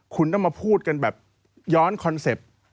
คุณต้องมาพูดกันแบบย้อนคอนเซ็ปต์